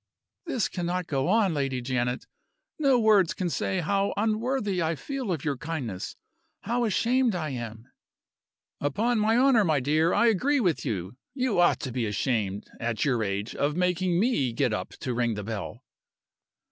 "This cannot go on, Lady Janet! No words can say how unworthy I feel of your kindness, how ashamed I am " "Upon my honor, my dear, I agree with you. You ought to be ashamed, at your age, of making me get up to ring the bell."